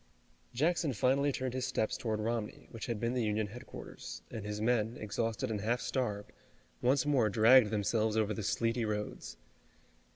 Jackson finally turned his steps toward Romney, which had been the Union headquarters, and his men, exhausted and half starved, once more dragged themselves over the sleety roads.